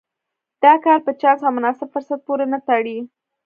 دا کار په چانس او مناسب فرصت پورې نه تړي.